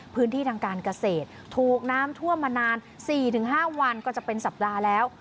พื้นที่ทางการเกษตรถูกน้ำท่วมมานาน๔๕วันก็จะเป็นสัปดาห์แล้ว